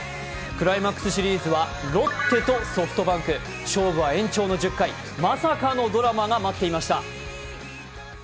クライマックスシリーズはロッテとソフトバンク、勝負は延長の１０回、まさかのドラマが待っていました。